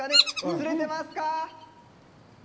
釣れてますか。